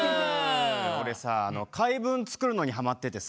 俺さ回文作るのにハマっててさ。